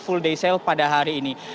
full day sale pada hari ini